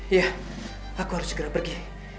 iya aku harus segera pergi